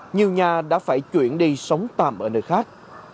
nhiều nhà đã phải chuyển đi sống tạm ở nơi khác